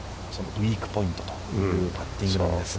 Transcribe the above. ウイークポイントというパッティングなんですが。